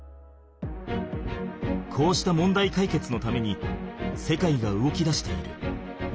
こうした問題かいけつのために世界が動きだしている。